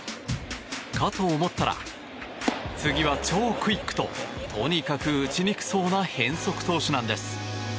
かと思ったら次は超クイックととにかく打ちにくそうな変則投手なんです。